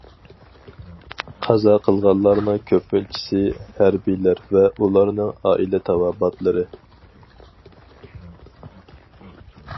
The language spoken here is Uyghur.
قازا قىلغانلارنىڭ كۆپىنچىسى ھەربىيلەر ۋە ئۇلارنىڭ ئائىلە تاۋابىئاتلىرى.